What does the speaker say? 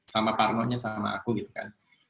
sama parno nya sama aku gitu kan